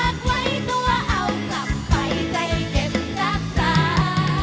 ไว้ตัวเอากลับไปใจเก็บรักษา